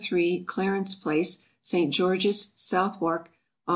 3, Clarence place, St. George's, Southwark, Aug.